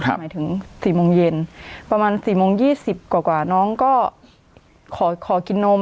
หมายถึงสี่โมงเย็นประมาณสี่โมงยี่สิบกว่ากว่าน้องก็ขอกินนม